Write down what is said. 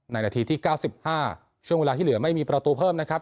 นาทีที่๙๕ช่วงเวลาที่เหลือไม่มีประตูเพิ่มนะครับ